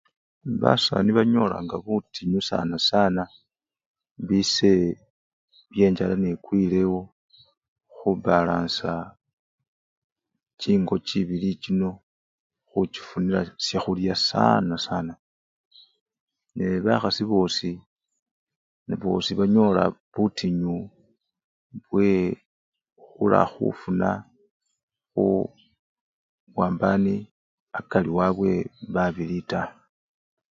Basani banyolanga butinyu sana sana bise byenchala nebikwilewo khubalansa chingo chibili chino khuchifunila syakhulya sana sana nebakhasi bosii banyola butinyu bwekhula khufuna buwambani akari wabwe babili taa.